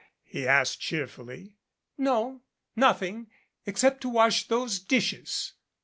he asked cheerfully. "No nothing except to wash those dishes."